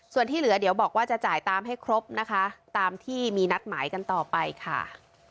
ส่วนที่เหลือเดี๋ยวบอกว่าจะจ่ายตามให้ครบนะคะตามที่มีนัดหมายกันต่อไปค่ะ